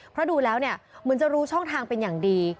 เพราะดูแล้วเนี่ยเหมือนจะรู้ช่องทางเป็นอย่างดี